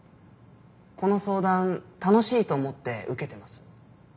この相談楽しいと思って受けてます？